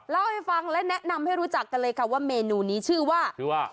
เล่าให้ฟังและแนะนำให้รู้จักกันเลยค่ะว่าเมนูนี้ชื่อว่าชื่อว่า